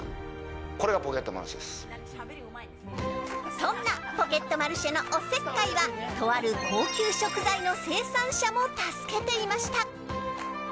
そんなポケットマルシェのおせっかいはとある高級食材の生産者も助けていました。